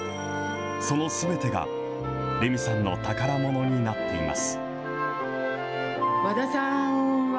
そのすべてが、レミさんの宝ものになっています。